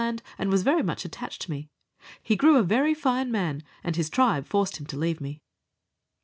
Land, and was very much attached to me. He grew a very fine man, and his tribe forced him to leave me.